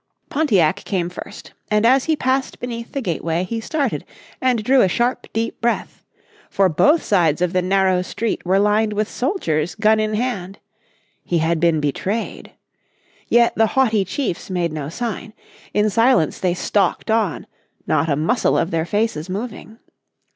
Pontiac came first, and as he passed beneath the gateway, he started, and drew a sharp, deep breath. For both sides of the narrow street were lined with soldiers gun in hand. He had been betrayed! Yet the haughty chiefs made no sign. In silence they stalked on, not a muscle of their faces moving.